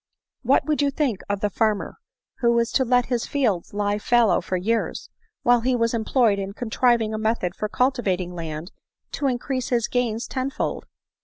What would you think of the farmer who was to let his fields lie fallow for years, while he was employed in contriving a method of cultivating land to increase his gains ten fold?"